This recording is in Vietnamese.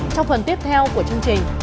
trong phần tiếp theo của chương trình